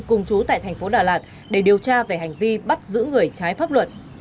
cùng chú tại thành phố đà lạt để điều tra về hành vi bắt giữ người trái pháp luật